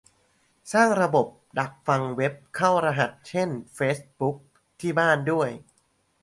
สร้างระบบดักฟังเว็บเข้ารหัส เช่น เฟซบุ๊ก ที่บ้านด้วย